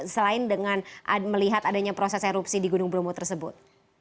selain dengan melihat adanya proses erupsi di gunung bromo tersebut